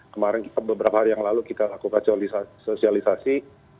hari yang lalu kita lakukan sosialisasi